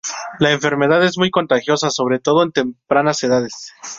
La enfermedad es muy contagiosa, sobre todo en tempranas edades.